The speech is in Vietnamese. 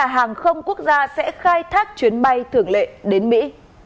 hàng không quốc gia sẽ khai thác chuyến bay thường lệ đến mỹ